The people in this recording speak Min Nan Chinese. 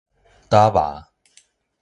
打猫